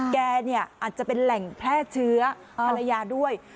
แกเนี่ยอาจจะเป็นแหล่งแพร่เชื้อภรรยาด้วย